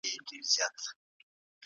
بې تجربې سړی له ستونزو سره مخ کیږي.